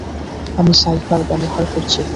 আমি সাইফার ব্যবহার করছি।